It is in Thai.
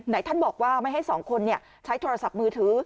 ท่านบอกว่าไม่ให้สองคนใช้โทรศัพท์มือถือ